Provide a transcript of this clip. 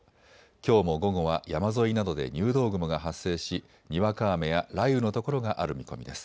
きょうも午後は山沿いなどで入道雲が発生しにわか雨や雷雨の所がある見込みです。